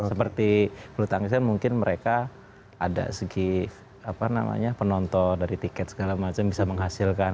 seperti bulu tangkisan mungkin mereka ada segi penonton dari tiket segala macam bisa menghasilkan